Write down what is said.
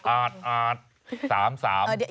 อาถอาจแต่ก็๓๓